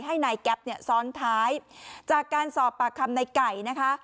ให้นายแก๊ปเนี่ยซ้อนท้ายจากการสอบปากคำในไก่นะคะ